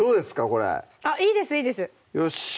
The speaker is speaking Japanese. これあっいいですいいですよしっ！